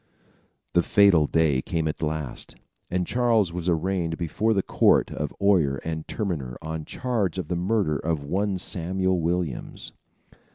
The fatal day came at last, and Charles was arraigned before the court of oyer and terminer on charge of the murder of one Samuel Williams.